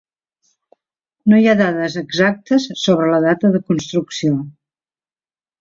No hi ha dades exactes sobre la data de construcció.